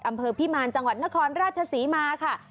อำเภอพิมารจังหวัดนครราชศรีมาค่ะ